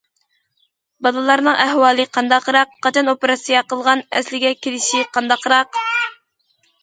« بالىلارنىڭ ئەھۋالى قانداقراق؟ قاچان ئوپېراتسىيە قىلغان؟ ئەسلىگە كېلىشى قانداقراق؟».